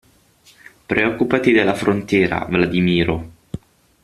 Preoccupati della frontiera, Vladimiro!